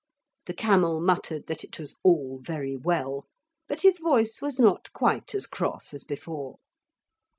The camel muttered that it was all very well, but his voice was not quite as cross as before.